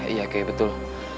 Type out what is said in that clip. iya kek betul